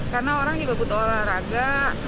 karena orang juga butuh olahraga